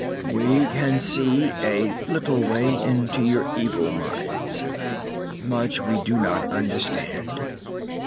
"We can see, a little way, into your evil minds. Much we do not understand.